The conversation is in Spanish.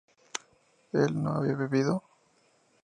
¿él no había bebido?